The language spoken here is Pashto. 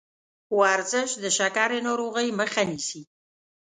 ورزش د شکرې ناروغۍ مخه نیسي.